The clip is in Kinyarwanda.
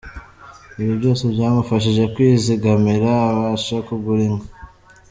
Ibyo byose byamufashije kwizigamira abasha kugura inka.